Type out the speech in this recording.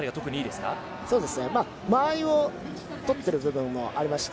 間合いを取っている部分もありまして